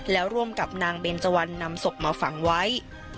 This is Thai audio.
แล้วร่วมกับนางเบนเจวันนำศพมาฝังไว้